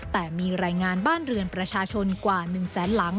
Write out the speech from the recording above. แต่มีรายงานบ้านเรือนประชาชนกว่า๑แสนหลัง